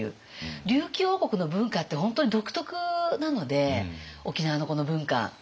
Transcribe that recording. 琉球王国の文化って本当に独特なので沖縄のこの文化。